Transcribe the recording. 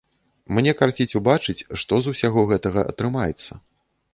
Мне карціць убачыць, што з усяго гэтага атрымаецца.